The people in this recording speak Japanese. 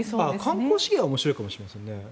観光資源は面白いかもしれませんね。